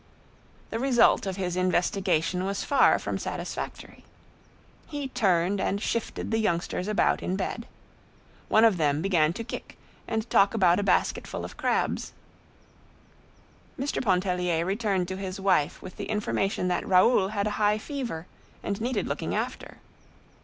The result of his investigation was far from satisfactory. He turned and shifted the youngsters about in bed. One of them began to kick and talk about a basket full of crabs. Mr. Pontellier returned to his wife with the information that Raoul had a high fever and needed looking after.